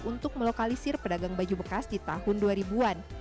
untuk melokalisir pedagang baju bekas di tahun dua ribu an